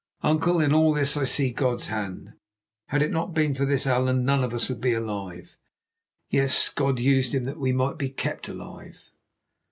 Uncle, in all this I see God's hand; had it not been for this Allan none of us would be alive. Yes, God used him that we might be kept alive.